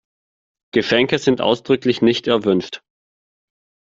Geschenke sind ausdrücklich nicht erwünscht.